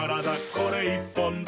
これ１本で」